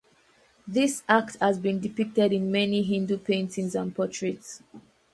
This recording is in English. This act has been depicted in many Hindu paintings and portraits.